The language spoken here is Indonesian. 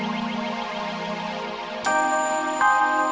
akhirnya akueuroflix kita punya